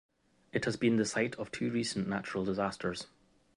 It has been the site of two recent natural disasters.